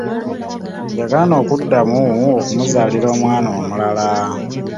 Yagaana okuddamu okumuzaalira omwana omulala.